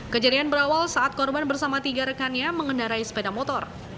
kejadian berawal saat korban bersama tiga rekannya mengendarai sepeda motor